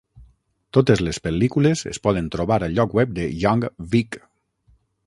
Totes les pel·lícules es poden trobar al lloc web de Young Vic.